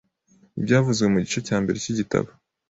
ibyavuzwe mu gice cya mbere cy’igitabo